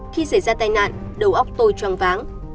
khi xảy ra tai nạn đầu óc tôi choáng váng